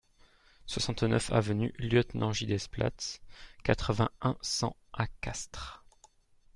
soixante-neuf avenue Lieutenant J Desplats, quatre-vingt-un, cent à Castres